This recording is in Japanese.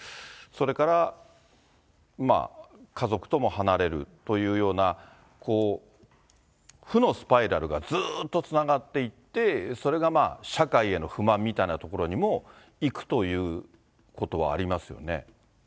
それから家族とも離れるというような負のスパイラルがずっとつながっていって、それが社会への不満みたいなところにも行くということはあります